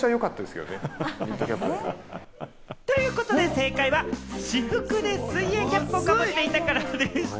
正解は、私服で水泳キャップをかぶっていたからでした。